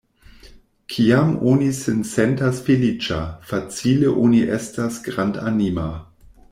Kiam oni sin sentas feliĉa, facile oni estas grandanima.